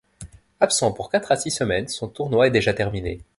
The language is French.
Absent pour quatre à six semaines, son tournoi est déjà terminé.